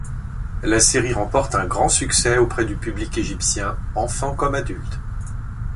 La série remporte un grand succès auprès du public égyptien, enfants comme adultes.